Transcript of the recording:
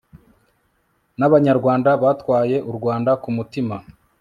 n abanyarwanda batwaye u rwanda ku mutima